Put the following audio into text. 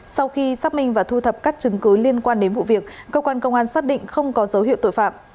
sau khi xác minh và thu thập các chứng cứ liên quan đến vụ việc cơ quan công an xác định không có dấu hiệu tội phạm